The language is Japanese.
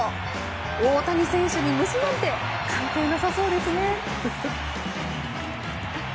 大谷選手に虫なんて関係なさそうですね。